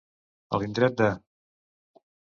A l'indret de.